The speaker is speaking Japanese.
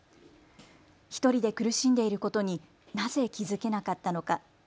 １人で苦しんでいることになぜ気付けなかったのか。